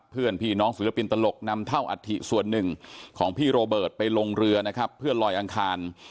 เพื่อนพี่น้องศิลปินตลกนำเท่าอัฐิส่วนหนึ่งของพี่โรเบิร์ตไปลงเรือนะครับเพื่อลอยอังคาร